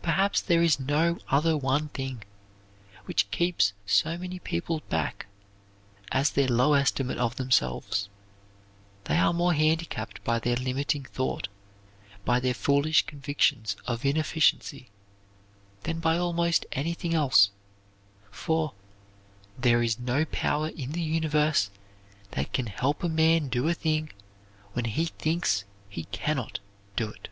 Perhaps there is no other one thing which keeps so many people back as their low estimate of themselves. They are more handicapped by their limiting thought, by their foolish convictions of inefficiency, than by almost anything else, for there is no power in the universe that can help a man do a thing when he thinks he can not do it.